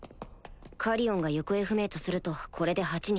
カリオンが行方不明とするとこれで８人